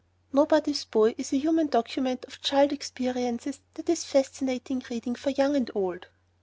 "Nobody's Boy" is a human document of child experiences that is fascinating reading for young and old.